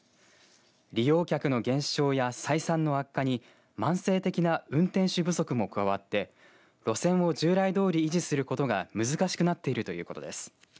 利用客の減少や採算の悪化に慢性的な運転手不足も加わって路線を従来通り維持することが難しくなっているということです。